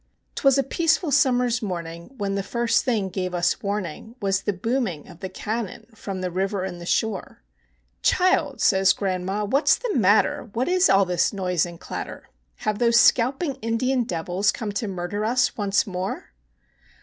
'T was a peaceful summer's morning, when the first thing gave us warning Was the booming of the cannon from the river and the shore: "Child," says grandma, "what 's the matter, what is all this noise and clatter? Have those scalping Indian devils come to murder us once more?"